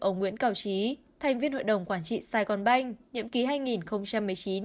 ông nguyễn cảo trí thành viên hội đồng quản trị saigon bank nhậm ký hai nghìn một mươi chín hai nghìn hai mươi bốn